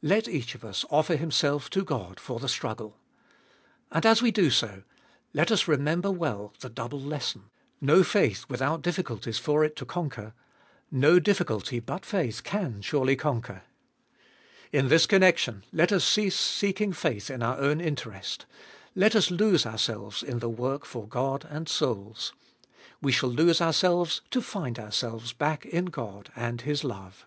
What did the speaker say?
Let each of us offer himself to God for the struggle. And as we do so, let us 468 abe Doliest of Hll remember well the double lesson : No faith without difficulties for it to conquer. No difficulty but faith can surely conquer. In this connection let us cease seeking faith in our own interest : let us lose ourselves in the work for God and souls. We shall lose ourselves to find ourselves back in God and His love.